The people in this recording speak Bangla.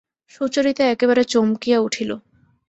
সুচরিতা একেবারে চমকিয়া উঠিল।